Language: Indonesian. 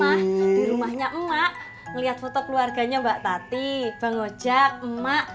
pah tadi mama di rumahnya emak ngeliat foto keluarganya mbak tati bang ojak emak